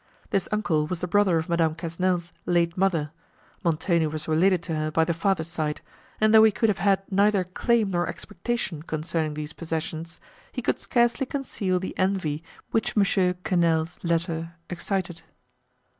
This uncle was the brother of Madame Quesnel's late mother; Montoni was related to her by the father's side, and though he could have had neither claim nor expectation concerning these possessions, he could scarcely conceal the envy which M. Quesnel's letter excited.